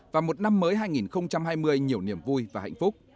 và một năm mới hai nghìn hai mươi nhiều niềm vui và hạnh phúc